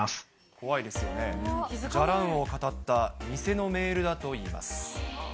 怖いですよね、じゃらんをかたった偽のメールだといいます。